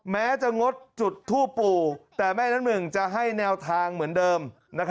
แม้จะงดจุดทูปปู่แต่แม่น้ำหนึ่งจะให้แนวทางเหมือนเดิม